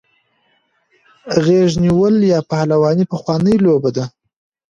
غیږ نیول یا پهلواني پخوانۍ لوبه ده.